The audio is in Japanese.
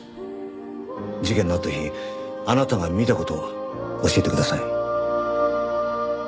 事件のあった日あなたが見た事を教えてください。